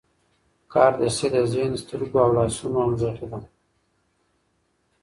کاردستي د ذهن، سترګو او لاسونو همغږي ده.